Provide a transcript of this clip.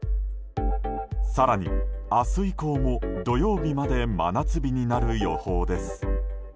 更に、明日以降も土曜日まで真夏日になる予報です。